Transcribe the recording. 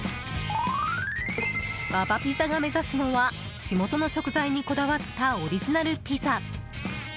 ＢａＢａピザが目指すのは地元の食材にこだわったオリジナルピザ。